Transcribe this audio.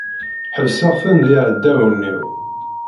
Ḥesbeɣ-ten d iɛdawen-iw.